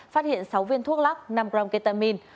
phát hiện sáu viên thuốc lắc năm g ketamin